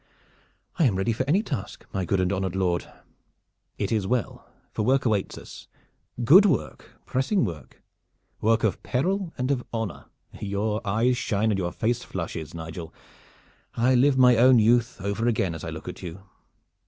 "I am ready for any task, my good and honored lord." "It is well, for work awaits us good work, pressing work, work of peril and of honor. Your eyes shine and your face flushes, Nigel. I live my own youth over again as I look at you.